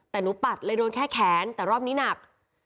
แต่หนูปัดเลยโดนแค่แขนแต่รอบนี้หนัก